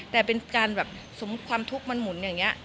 แต่เป็นการแบบสมมุติความทุกข์มันหมุนอย่างนี้